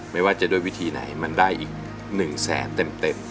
ไม่ว่าจะด้วยวิธีไหนมันได้อีก๑แสนเต็ม